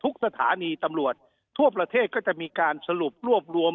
สถานีตำรวจทั่วประเทศก็จะมีการสรุปรวบรวม